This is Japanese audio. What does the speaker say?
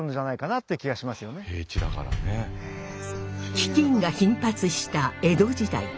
飢饉が頻発した江戸時代。